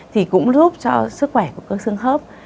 thì cũng lúc cho sức khỏe của cơ sương khớp